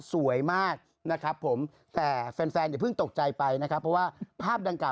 สวยมากนะครับผมแต่แฟนอย่าเพิ่งตกใจไปนะครับเพราะว่าภาพดังกล่า